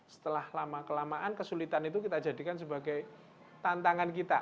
setelah lama kelamaan kesulitan itu kita jadikan sebagai tantangan kita